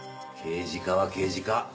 刑事課は刑事課。